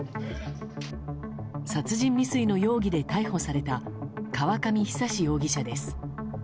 殺人未遂の容疑で逮捕された河上久容疑者です。